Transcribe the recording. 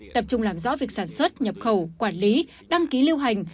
tập trung làm rõ việc sản xuất nhập khẩu quản lý đăng ký lưu hành